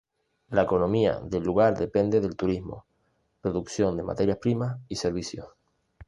La economía del lugar depende del turismo, producción de materias primas y servicios.